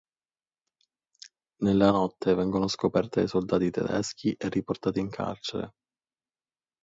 Nella notte vengono scoperti dai soldati tedeschi e riportati in carcere.